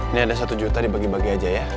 ini ada satu juta dibagi bagi aja ya